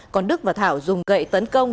còn đức và thảo dùng gậy tấn công